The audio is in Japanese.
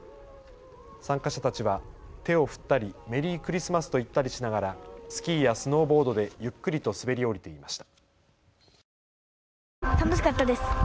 参加者たちは手を振ったりメリークリスマスと言ったりしながらスキーやスノーボードでゆっくりと滑り降りていました。